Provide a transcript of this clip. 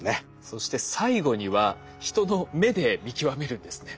そして最後には人の目で見極めるんですね。